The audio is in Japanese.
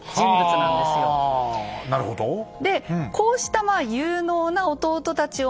なるほどね。